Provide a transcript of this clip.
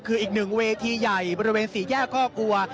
คืออีกหนึ่งเวทีใหญ่บริเวณสี่แยกก็กลัว